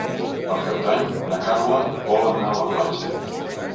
Per Cap d'Any na Carla vol anar a la platja.